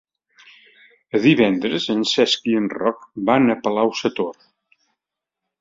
Divendres en Cesc i en Roc van a Palau-sator.